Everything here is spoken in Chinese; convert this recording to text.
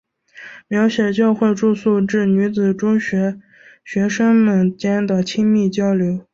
描写教会住宿制女子中学学生们间的亲密交流。